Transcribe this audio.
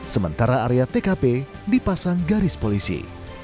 sementara area tkp dipasang garis polisi